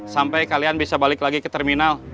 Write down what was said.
sampai kalian bisa balik lagi ke terminal